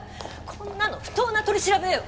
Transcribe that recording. こんなの不当な取り調べよ！